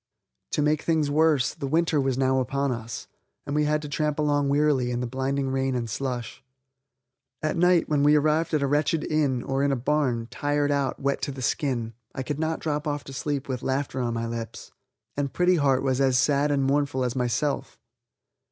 To make things worse, the winter was now upon us, and we had to tramp along wearily in the blinding rain and slush. At night, when we arrived at a wretched inn, or in a barn, tired out, wet to the skin, I could not drop off to sleep with laughter on my lips. Sometimes we were frozen to the bone, and Pretty Heart was as sad and mournful as myself.